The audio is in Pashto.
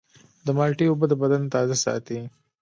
د مالټې اوبه د بدن تازه ساتي.